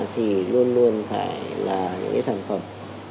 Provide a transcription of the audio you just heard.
thì luôn luôn phải là những sản phẩm